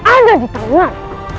ada di dalam